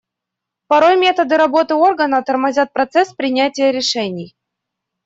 Порой методы работы органа тормозят процесс принятия решений.